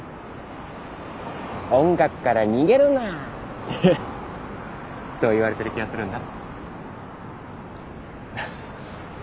「音楽から逃げるな！」ってそう言われてる気がするんだ。